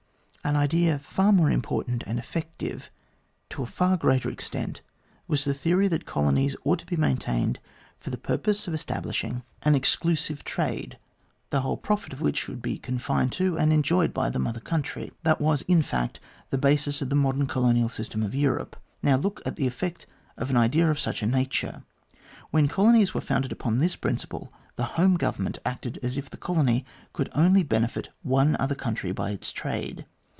An idea far more important, and effective to a far greater extent, was the theory that the colonies ought to be maintained for the purpose of establishing an exclusive 262 THE GLADSTONE COLONY trade, the whole profit of which should be confined to, and enjoyed by, the Mother Country. That was, in fact, the basis of the modern colonial system of Europe. Now, look at the effect of an idea of such a nature. When colonies were founded upon this principle, the Home Government acted as if the colony could only benefit one other country by its trade.